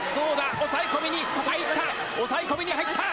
押さえ込みに入った、押さえ込みに入った。